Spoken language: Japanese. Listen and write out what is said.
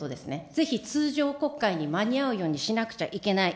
ぜひ通常国会に間に合うようにしなくちゃいけない。